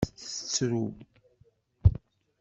Tettru.